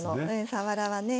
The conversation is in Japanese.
さわらはね